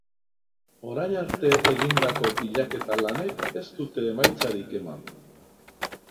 Orain arte egindako bilaketa lanek ez dute emaitzarik eman.